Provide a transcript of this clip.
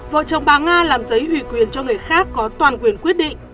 vợ chồng bà nga làm giấy ủy quyền cho người khác có toàn quyền quyết định